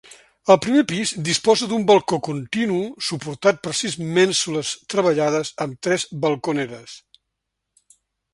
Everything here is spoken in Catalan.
El primer pis disposa d'un balcó continu suportat per sis mènsules treballades amb tres balconeres.